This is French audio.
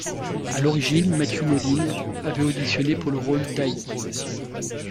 À l'origine, Matthew Modine avait auditionné pour le rôle de Al.